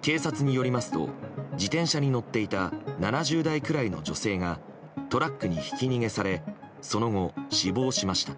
警察によりますと自転車に乗っていた７０代くらいの女性がトラックにひき逃げされその後、死亡しました。